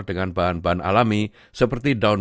dan mencetak sisi lain